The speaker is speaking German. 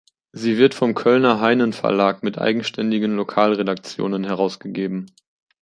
Sie wird vom Kölner Heinen-Verlag mit eigenständigen Lokalredaktionen herausgegeben.